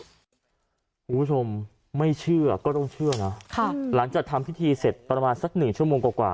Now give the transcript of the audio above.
คุณผู้ชมไม่เชื่อก็ต้องเชื่อนะหลังจากทำพิธีเสร็จประมาณสักหนึ่งชั่วโมงกว่า